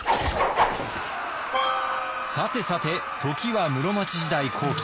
さてさて時は室町時代後期。